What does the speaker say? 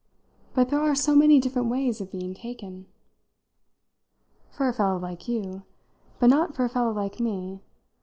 But there are so many different ways of being taken." "For a fellow like you. But not for a fellow like me.